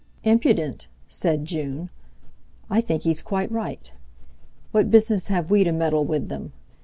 "Impudent!" said June. "I think he's quite right. What business have we to meddle with them?